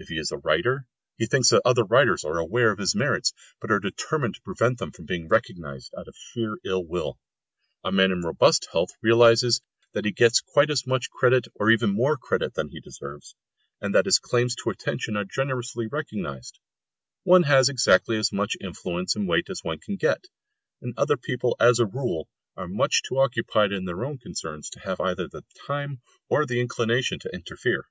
If he is a writer, he thinks that other writers are aware of his merits, but are determined to prevent them being recognised out of sheer ill will. A man in robust health realises that he gets quite as much credit or even more credit than he deserves, and that his claims to attention are generously recognised; one has exactly as much influence and weight as one can get, and other people as a rule are much too much occupied in their own concerns to have either the time or the inclination to interfere.